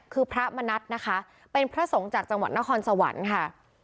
คือพระมณัฐนะคะเป็นพระสงฆ์จากจังหวัดนครสวรรค์ค่ะ